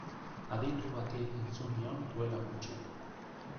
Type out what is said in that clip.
Aditu bati entzun nion duela gutxi.